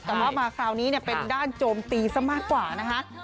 ใช่กับว่ามาเป็นด้านโจมตีซะมากกว่านะคะ